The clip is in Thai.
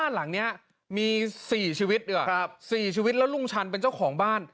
หลังเนี้ยมีสี่ชีวิตด้วยอะครับสี่ชีวิตแล้วลุงชันเป็นเจ้าของบ้าน